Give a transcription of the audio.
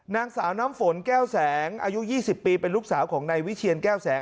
นางสาวน้ำฝนแก้วแสงอายุ๒๐ปีเป็นลูกสาวของนายวิเชียนแก้วแสง